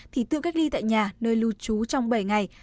thì tự cách ly tại nhà nơi lưu trú trong bảy ngày